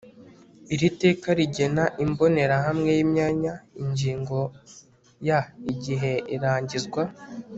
Iri teka rigena imbonerahamwe y imyanya Ingingo ya Igihe irangizwa